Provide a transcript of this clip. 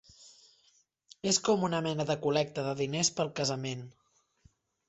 És com una mena de col·lecta de diners per al casament.